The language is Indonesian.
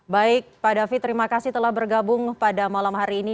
baik pak david terima kasih telah bergabung pada malam hari ini